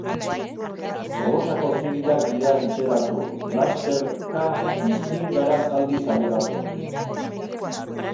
Tolosako zibilak dira enteratu, lasterka Istingara zaldiz ailegatu.